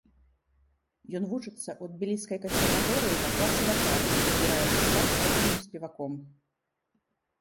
Ён вучыцца ў тбіліскай кансерваторыі па класе вакалу, і збіраецца стаць оперным спеваком.